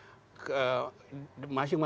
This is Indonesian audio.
jadi itu juga terjadi di dalam kebanyakan hal